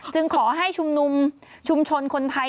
ขอให้ชุมนุมชุมชนคนไทย